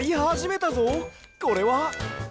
これは？